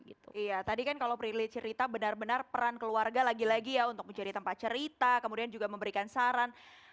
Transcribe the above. iya tadi kan kalau prilly cerita benar benar peran keluarga lagi lagi ya untuk menjadi tempat cerita kemudian juga memberikan saran